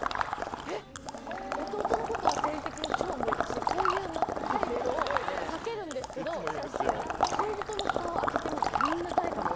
弟のことは生理的に超無理だしこういうタイプを避けるんですけどいつも言うんですよ恋人のフタを開けてみるとえ！